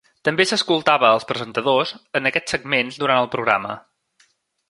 També s'escoltava els presentadors en aquests segments durant el programa.